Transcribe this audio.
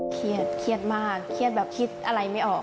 เครียดเครียดมากเครียดแบบคิดอะไรไม่ออก